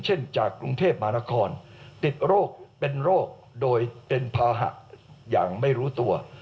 จากกรุงเทพมหานครติดโรคเป็นโรคโดยเป็นภาหะอย่างไม่รู้ตัว